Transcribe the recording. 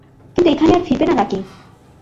কিন্তু এখানে আর ফিরবে না নাকি?